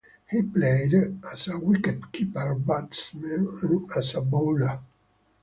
He played as a wicket-keeper, batsmen, and as a bowler.